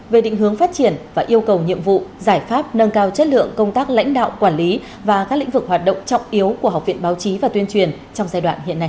về định hướng phát triển và yêu cầu nhiệm vụ giải pháp nâng cao chất lượng công tác lãnh đạo quản lý và các lĩnh vực hoạt động trọng yếu của học viện báo chí và tuyên truyền trong giai đoạn hiện nay